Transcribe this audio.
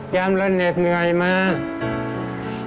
ย้ำรนเนศเหนื่อยมาก